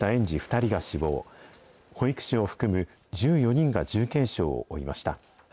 ２人が死亡、保育士を含む１４人が重軽傷を負いました。